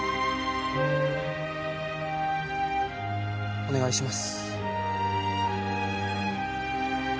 お願いします。